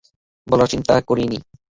বলার চিন্তাও করি নি।